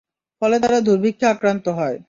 ফলে তারা দুর্ভিক্ষে আক্রান্ত হয়।